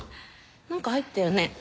何か入ってるね。